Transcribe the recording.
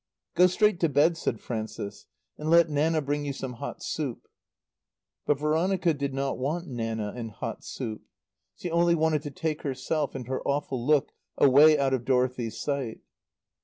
"Go straight to bed," said Frances. "and let Nanna bring you some hot soup." But Veronica did not want Nanna and hot soup. She only wanted to take herself and her awful look away out of Dorothy's sight.